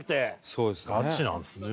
そうですね。